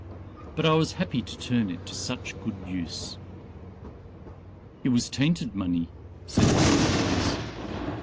But I was happy to turn it to such good use." "It was tainted money," said one of the boys.